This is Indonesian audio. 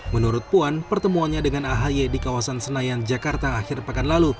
menurut puan pertemuannya dengan ahy di kawasan senayan jakarta akhir pekan lalu